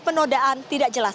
penundaan tidak jelas